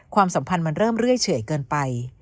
ความสัมพันธ์มันเริ่มเรื่อยเฉื่อยเกินไป